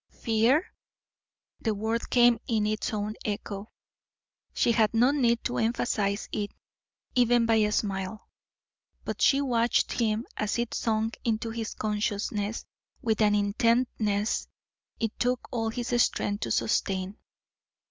"Fear?" The word made its own echo; she had no need to emphasise it even by a smile. But she watched him as it sunk into his consciousness with an intentness it took all his strength to sustain.